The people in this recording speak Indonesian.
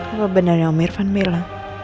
apa benarnya om irfan bilang